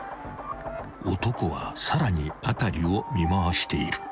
［男はさらに辺りを見回している］